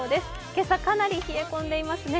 今朝、かなり冷え込んでいますね。